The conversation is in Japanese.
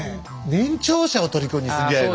年長者をとりこにするんじゃないの？